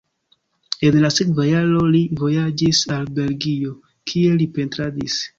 En la sekva jaro li vojaĝis al Belgio, kie li pentradis.